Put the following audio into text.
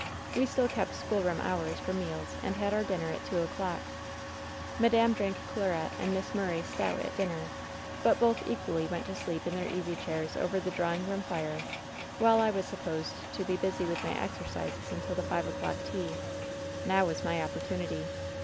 "We still kept schoolroom hours for meals and had our dinner at two o'clock. "Madame drank claret and Miss Murray stout at dinner; but both equally went to sleep in their easy chairs over the drawing room fire, while I was supposed to be busy with my exercises until the five o'clock tea. "Now was my opportunity.